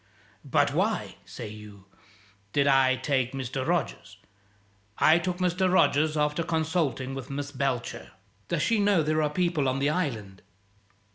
But why (say you) did I take Mr. Rogers? I took Mr. Rogers, after consulting with Miss Belcher " "Does she know there are people on the island?"